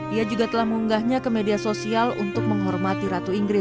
ia juga telah mengunggahnya ke media sosial untuk menghormati